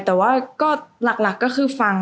แต่ว่าหลักคือฟัง